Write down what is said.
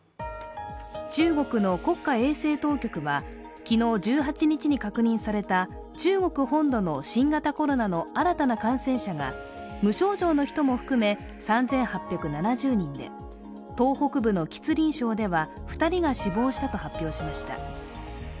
中国の国家衛生当局は昨日１８日に確認された中国本土の新型コロナの新たな感染者が無症状の人も含め３８７０人で、東北部の吉林省では２人が死亡したと発表しました。